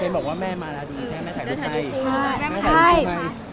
เค้าบอกว่าแม่มาแล้วดูแม่มาถ่ายรูปไพรส์